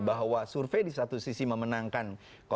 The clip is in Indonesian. bahwa survey di satu sisi memenangkan satu